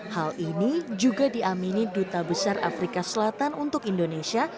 hal ini juga diamini duta besar afrika selatan untuk indonesia